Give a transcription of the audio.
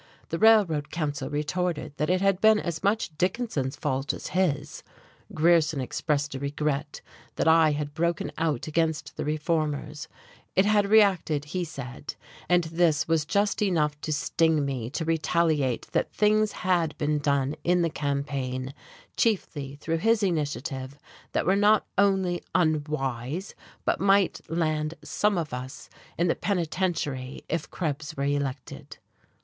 The railroad counsel retorted that it had been as much Dickinson's fault as his. Grierson expressed a regret that I had broken out against the reformers; it had reacted, he said, and this was just enough to sting me to retaliate that things had been done in the campaign, chiefly through his initiative, that were not only unwise, but might land some of us in the penitentiary if Krebs were elected.